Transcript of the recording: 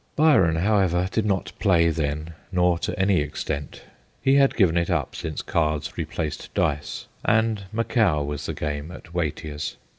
Byron, however, did not play then, or not to any extent. He had given it up since cards replaced dice, and macao was the game at Watier's.